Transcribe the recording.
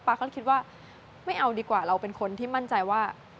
ก็คิดว่าไม่เอาดีกว่าเราเป็นคนที่มั่นใจว่า